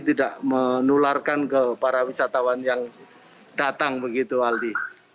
tidak menularkan ke para wisatawan yang datang begitu aldi